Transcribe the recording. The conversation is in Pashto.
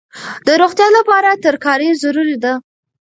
د روغتیا لپاره ترکاري ضروري ده.